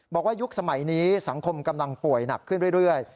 ยุคสมัยนี้สังคมกำลังป่วยหนักขึ้นเรื่อย